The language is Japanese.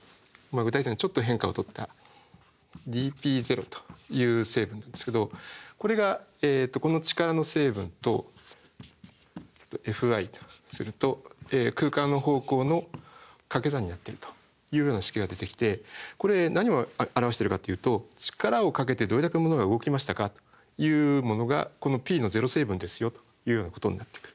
具体的にはちょっと変化をとったｄｐという成分なんですけどこれがこの力の成分とｆとすると空間の方向のかけ算になってるというような式が出てきてこれ何を表してるかというと力をかけてどれだけ物が動きましたかというものがこのｐの０成分ですよというようなことになってくる。